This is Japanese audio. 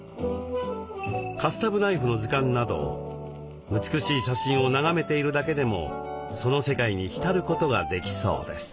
カスタムナイフの図鑑など美しい写真を眺めているだけでもその世界に浸ることができそうです。